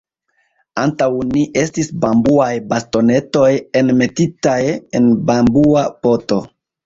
Antaŭ ni estis bambuaj bastonetoj enmetitaj en bambua poto.